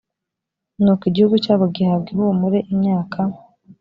nuko igihugu cyabo gihabwa ihumure imyaka